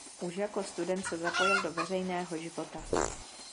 Už jako student se zapojil do veřejného života.